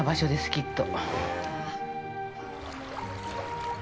きっと。